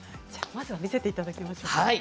まずは見せていただきましょうか。